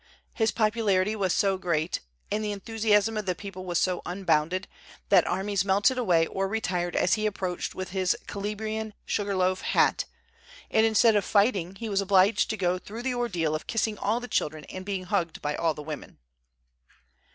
His popularity was so great, and the enthusiasm of the people was so unbounded, that armies melted away or retired as he approached with his Calabrian sugar loaf hat; and, instead of fighting, he was obliged to go through the ordeal of kissing all the children and being hugged by all the women.